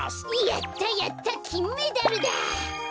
やったやったきんメダルだ！